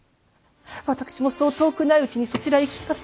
私もそう遠くないうちにそちらへ行きます。